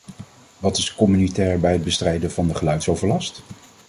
Wat is communautair bij het bestrijden van de geluidsoverlast?